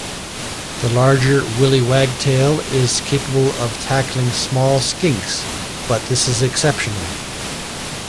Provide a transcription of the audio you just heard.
The larger willie wagtail is capable of tackling small skinks, but this is exceptional.